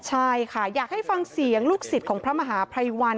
ใช่ค่ะอยากให้ฟังเสียงลูกศิษย์ของพระมหาภัยวัน